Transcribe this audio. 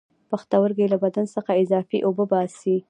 پښتورګي له بدن څخه اضافي اوبه وباسي